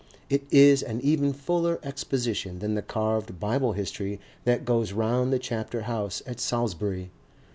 It is an even fuller exposition than the carved Bible history that goes round the chapter house at Salisbury.